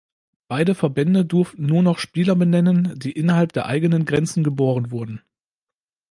Beide Verbände durften nur noch Spieler benennen, die innerhalb der eigenen Grenzen geboren wurden.